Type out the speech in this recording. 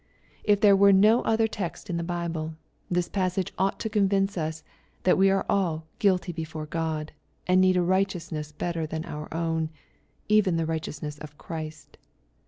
If there were no other text in the Bible, this passage ought to convince us, that we are all " guilty before God," and need a righteousness better than our own, even the righteousness of Christ.